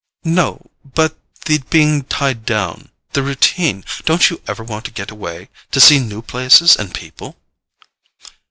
"No; but the being tied down: the routine—don't you ever want to get away, to see new places and people?"